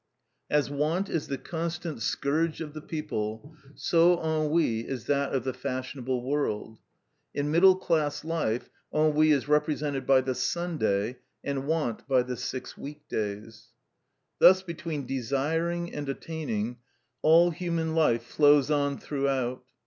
As want is the constant scourge of the people, so ennui is that of the fashionable world. In middle class life ennui is represented by the Sunday, and want by the six week days. Thus between desiring and attaining all human life flows on throughout.